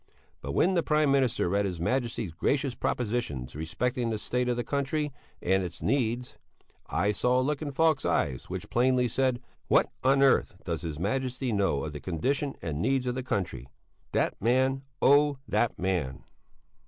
But when the Prime Minister read his Majesty's gracious propositions respecting the state of the country and its needs, I saw a look in Falk's eyes which plainly said: What on earth does his Majesty know of the condition and needs of the country? That man, oh! that man!